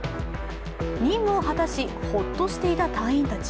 任務を果たしホッとしていた隊員たち。